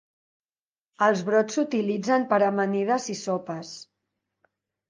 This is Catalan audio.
Els brots s'utilitzen per a amanides i sopes.